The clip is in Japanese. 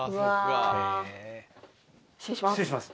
失礼します。